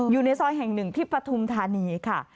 อยู่ในซอยแห่งหนึ่งที่ปฐุมธานีค่ะ